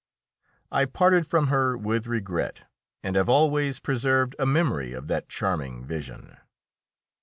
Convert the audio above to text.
I parted from her with regret, and have always preserved a memory of that charming vision.